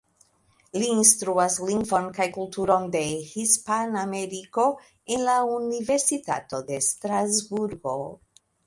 Li instruas lingvon kaj kulturon de Hispanameriko en la Universitato de Strasburgo.